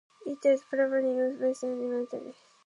It is a property of viscoelastic materials.